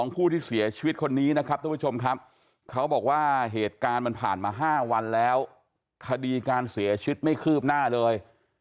ผู้ที่เสียชีวิตคนนี้นะครับทุกผู้ชมครับเขาบอกว่าเหตุการณ์มันผ่านมา๕วันแล้วคดีการเสียชีวิตไม่คืบหน้าเลย